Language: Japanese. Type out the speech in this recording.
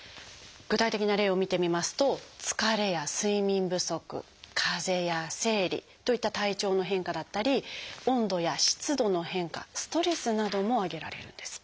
具体的な例を見てみますと「疲れ」や「睡眠不足」「かぜ」や「生理」といった体調の変化だったり「温度や湿度の変化」「ストレス」なども挙げられるんです。